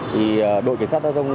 thì đội cảnh sát giao thông